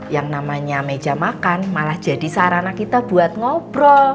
yang namanya meja makan malah jadi sarana kita buat ngobrol